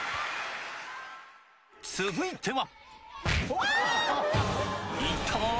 続いては。